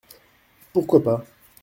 Pourquoi pas ?